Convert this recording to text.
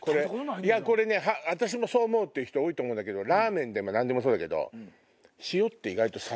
これね私もそう思うって人多いと思うんだけどラーメンでも何でもそうだけど塩って意外と。